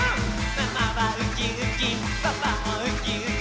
「ママはウキウキパパもウキウキ」